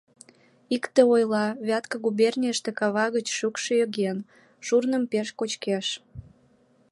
Икте ойла: «Вятка губернийыште кава гыч шукш йоген, шурным пеш кочкеш.